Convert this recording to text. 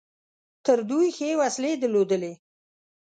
تر دوی ښې وسلې درلودلې.